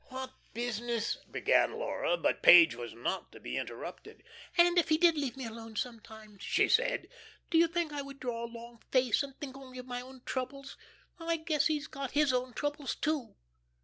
"What business " began Laura; but Page was not to be interrupted. "And if he did leave me alone sometimes," she said; "do you think I would draw a long face, and think only of my own troubles. I guess he's got his own troubles too.